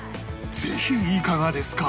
ぜひいかがですか？